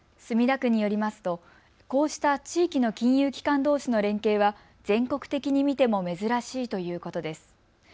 墨田区によりますとこうした地域の金融機関どうしの連携は全国的に見ても珍しいということです。